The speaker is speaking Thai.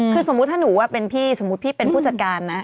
คือสมมุติถ้าหนูว่าเป็นพี่สมมุติพี่เป็นผู้จัดการนะ